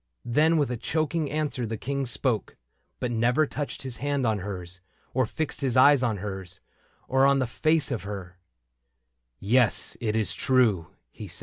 " Then with a choking answer the King spoke i But never touched his hand on hers, or fixed His eyes on hers, or on the face of her :Yes, it b true," he said.